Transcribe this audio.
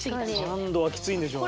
３度はきついんでしょうね。